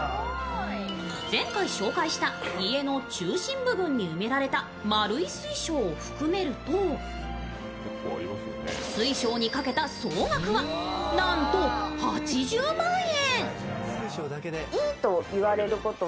前回紹介した家の中心部分に埋められた丸い水晶を含めると水晶にかけた総額はなんと８０万円。